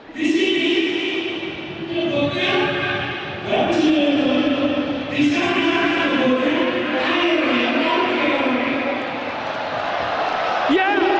disini kubuknya gosip disana kubuk airnya airnya